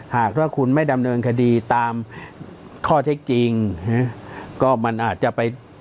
หากว่าคุณไม่ดำเนินคดีตามข้อเท็จจริงก็มันอาจจะไป